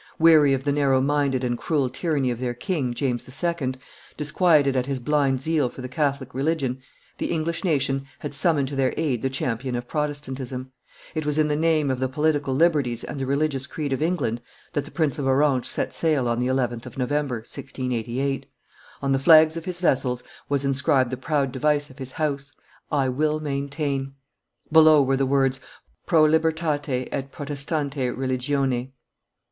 Weary of the narrow minded and cruel tyranny of their king, James II., disquieted at his blind zeal for the Catholic religion, the English nation had summoned to their aid the champion of Protestantism; it was in the name of the political liberties and the religious creed of England that the Prince of Orange set sail on the 11th of November, 1688; on the flags of his vessels was inscribed the proud device of his house, I will maintain; below were the words, _Pro libertate et Protestante religione.